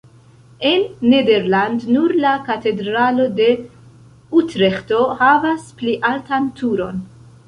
En Nederland nur la katedralo de Utreĥto havas pli altan turon.